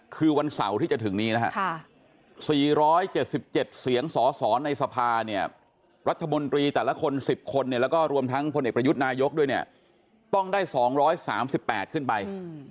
การรวม๑๐คนและก็รวมทั้งคนเอกประยุทธ์นายกด้วยต้องได้๒๓๘ขึ้นไป